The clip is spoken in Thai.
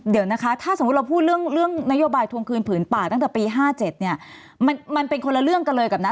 เดี๋ยวนะคะถ้าสมมุติเราพูดเรื่องนโยบายทวงคืนผืนป่าตั้งแต่ปี๕๗เนี่ยมันเป็นคนละเรื่องกันเลยกับนะ